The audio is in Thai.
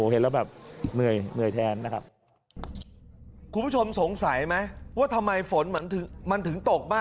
เขานักกว่าเราเยอะ